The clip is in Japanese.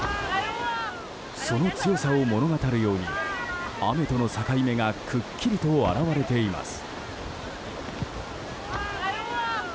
その強さを物語るように雨との境目がくっきりと表れています。